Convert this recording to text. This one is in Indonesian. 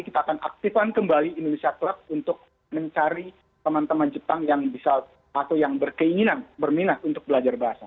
kita akan aktifkan kembali indonesia club untuk mencari teman teman jepang yang bisa atau yang berkeinginan berminat untuk belajar bahasa